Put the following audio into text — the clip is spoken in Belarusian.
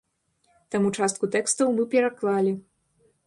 Таму частку тэкстаў мы пераклалі.